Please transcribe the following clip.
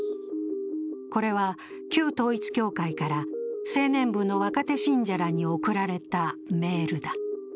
これは旧統一教会から青年部の若手信者らに送られたメールだ。